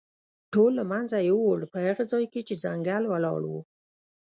ټول له منځه یووړ، په هغه ځای کې چې ځنګل ولاړ و.